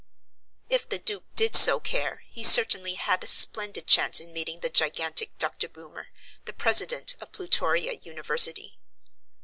If the Duke did so care, he certainly had a splendid chance in meeting the gigantic Dr. Boomer, the president of Plutoria University.